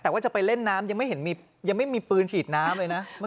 แต่ว่าจะไปเล่นน้ำยังไม่เห็นยังไม่มีปืนฉีดน้ำเลยนะ